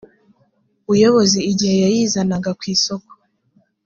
buyobozi igihe yayizanaga ku isoko